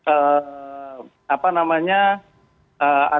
kapolres yang baru akbp yogi ini mengemban kurang lebih di bulan